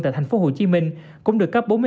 tại thành phố hồ chí minh cũng được cấp